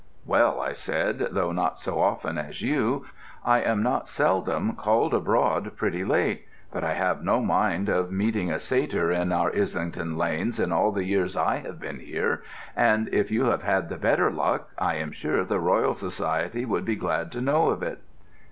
'Well,' I said, 'though not so often as you, I am not seldom called abroad pretty late; but I have no mind of meeting a satyr in our Islington lanes in all the years I have been here; and if you have had the better luck, I am sure the Royal Society would be glad to know of it.'